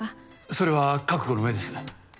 それは覚悟のうえです。